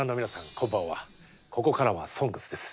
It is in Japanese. こんばんはここからは「ＳＯＮＧＳ」です。